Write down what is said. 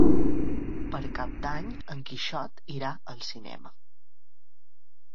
Per Cap d'Any en Quixot irà al cinema.